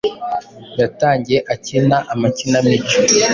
Yatangiye akina ama kinamico